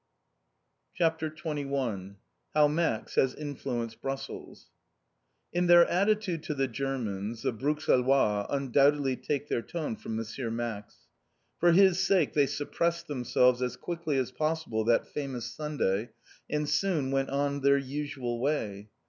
CHAPTER XXI HOW MAX HAS INFLUENCED BRUSSELS In their attitude to the Germans, the Bruxellois undoubtedly take their tone from M. Max. For his sake they suppressed themselves as quickly as possible that famous Sunday and soon went on their usual way.